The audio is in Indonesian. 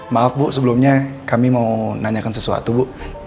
maaf bu sebelumnya kami mau nanyakan sesuatu bu